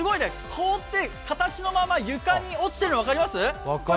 凍って形のまま床に落ちてるの分かります？